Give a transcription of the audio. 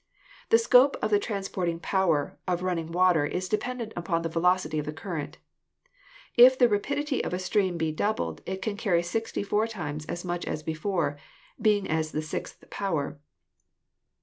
The scope of the transporting power of running water is dependent upon the velocity of the current. If the rapid ity of a stream be doubled, it can carry 64 times as much as before, being as the sixth power.